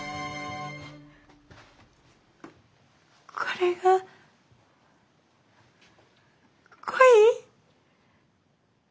これが恋？